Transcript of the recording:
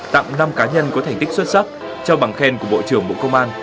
tặng năm cá nhân có thành tích xuất sắc trao bằng khen của bộ trưởng bộ công an